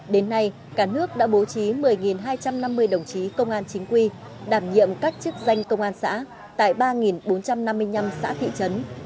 đến nay cả nước đã bố trí một mươi hai trăm năm mươi đồng chí công an chính quy đảm nhiệm các chức danh công an xã tại ba bốn trăm năm mươi năm xã thị trấn